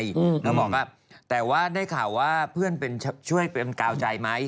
เขาบอกว่าแต่ว่าได้ข่าวว่าเพื่อนช่วยเป็นกาวใจไหม